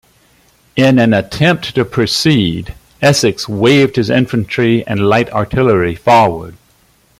In an attempt to proceed, Essex waved his infantry and light artillery forward.